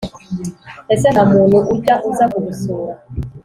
Ese ntamuntu ujya uza kugusura